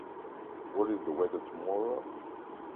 What is the weather tomorrow?